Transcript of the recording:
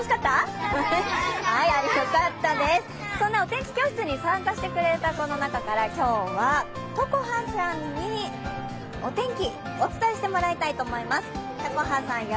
そんなお天気教室に参加してくれた子の中からとこはさんにお天気お伝えしてもらいたいと思います。